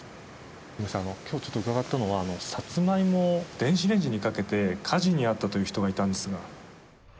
今日ちょっと伺ったのはサツマイモを電子レンジにかけて火事に遭ったという人がいたんですが。